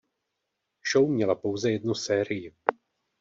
Show měla pouze jednu sérii.